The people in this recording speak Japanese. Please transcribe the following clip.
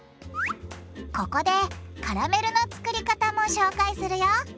ここでカラメルの作り方も紹介するよ。